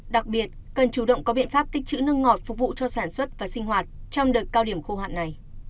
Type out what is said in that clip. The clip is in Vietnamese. đặc biệt cần chủ động có biện pháp tích chữ nước ngọt phục vụ cho sản xuất và sinh hoạt trong đợt cao điểm khô hạn này